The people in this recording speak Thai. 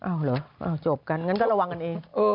เหรอจบกันงั้นก็ระวังกันเอง